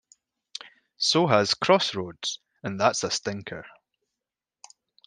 So has "Crossroads" and that's a stinker".